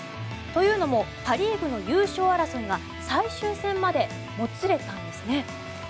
というのもパ・リーグの優勝争いが最終戦までもつれたんですね。